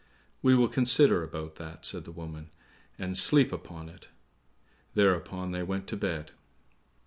"We will consider about that," said the woman, "and sleep upon it;" thereupon they went to bed.